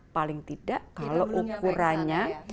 paling tidak kalau ukurannya